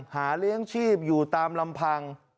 หาเลี้ยงชีพอยู่ตามลำพัง